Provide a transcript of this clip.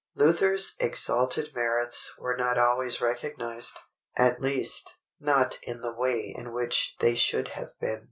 Luther's exalted merits were not always recognized, at least, not in the way in which they should have been.